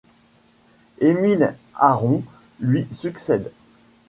Émile Aron lui succède.